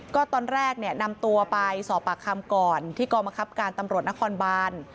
ก็ตอนแรกเนี่ยนำตัวไปสอบปากคำก่อนที่กรมคับการตำรวจนครบาน